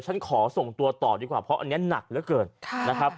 ฉันขอส่งตัวต่อดีกว่าเพราะอันนี้หนักเหลือเกินนะครับ